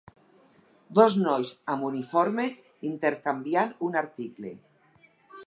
Dos nois amb uniforme intercanviant un article.